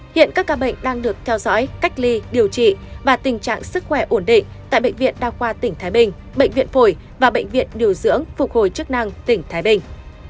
hiện các ca bệnh đang được theo dõi cách ly điều trị và tình trạng sức khỏe ổn định tại bệnh viện đa khoa tỉnh thái bình bệnh viện phổi và bệnh viện điều dưỡng phục hồi chức năng tỉnh thái bình